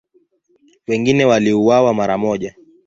Wengine waliuawa mara moja.